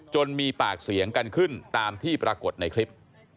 มีปากเสียงกันขึ้นตามที่ปรากฏในคลิป